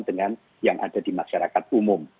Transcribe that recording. dengan yang ada di masyarakat umum